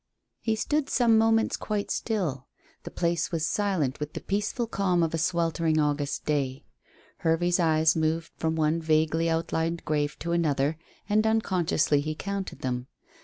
He stood for some moments quite still. The place was silent with the peaceful calm of a sweltering August day. Hervey's eyes moved from one vaguely outlined grave to another, and unconsciously he counted them.